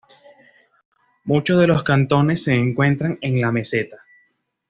Muchos de los cantones se encuentran en la meseta.